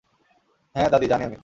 হ্যাঁ, দাদী, জানি আমি।